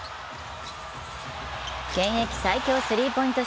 現役最強スリーポイント